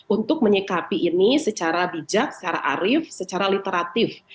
untuk menyikapi ini secara bijak secara arif secara literatif